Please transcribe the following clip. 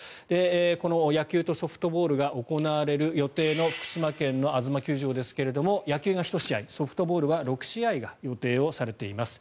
この野球とソフトボールが行われる予定の福島県のあづま球場ですが野球が１試合ソフトボールは６試合が予定をされています。